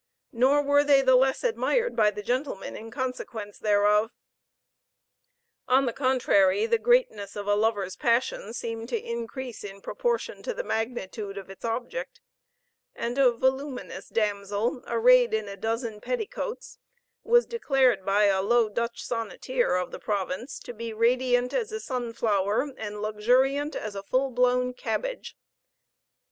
Nor were they the less admired by the gentlemen in consequence thereof. On the contrary, the greatness of a lover's passion seemed to increase in proportion to the magnitude of its object; and a voluminous damsel, arrayed in a dozen petticoats, was declared by a low Dutch sonneteer of the province to be radiant as a sunflower, and luxuriant as a full blown cabbage.